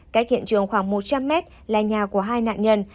cách hiện trường khoảng một trăm linh mét là nhà của hai nạn nhân